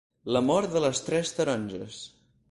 L'amor de les tres taronges.